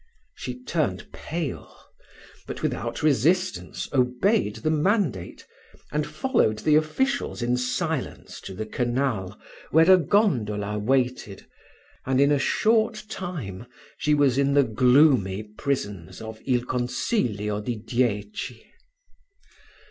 She turned pale; but, without resistance, obeyed the mandate, and followed the officials in silence to the canal, where a gondola waited, and in a short time she was in the gloomy prisons of il consiglio di dieci.